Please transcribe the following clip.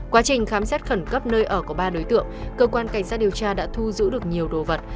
quá trình khám xét khẩn cấp nơi ở của ba đối tượng cơ quan cảnh sát điều tra đã thu giữ được nhiều đồ vật